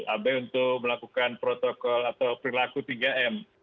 ab untuk melakukan protokol atau perilaku tiga m